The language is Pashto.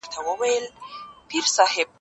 پښتو ژبه ژوندۍ او ځوانه ده.